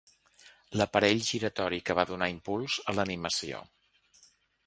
L'aparell giratori que va donar impuls a l'animació.